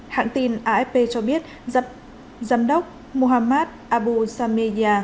hãng tin afp cho biết giám đốc muhammad abu samir